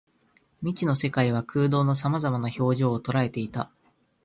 未知の世界は空洞の様々な表情を捉えていた